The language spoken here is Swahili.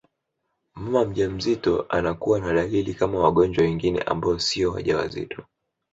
Mama mjamzito anakuwa na dalili kama wagonjwa wengine ambao siyo wajawazito